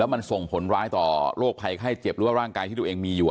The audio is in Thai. มันส่งผลร้ายต่อโรคภัยไข้เจ็บหรือว่าร่างกายที่ตัวเองมีอยู่